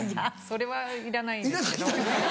それはいらないですけど。